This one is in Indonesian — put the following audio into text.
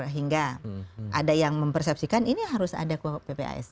hingga ada yang mempersepsikan ini harus ada kuap ppas